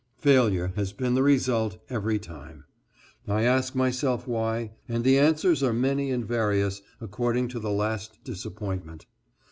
Failure has been the result every time. I ask myself why, and the answers are many and various, according to the last disappointment.